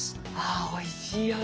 あおいしいよね。